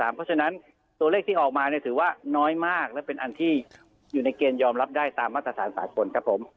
เพราะฉะนั้นตัวเลขที่ออกมาถือว่าน้อยมากและเป็นอันที่อยู่ในเกณฑ์ยอมรับได้ตามมาตรฐานสากลครับผม